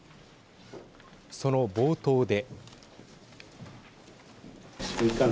その冒頭で。